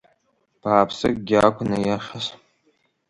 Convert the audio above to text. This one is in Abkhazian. Бааԥсыкгьы акәын аиашаз.